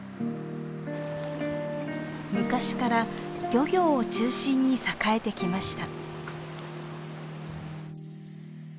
昔から漁業を中心に栄えてきました。